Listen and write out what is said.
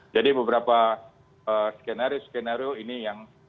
jadi beberapa skenario skenario ini yang mungkin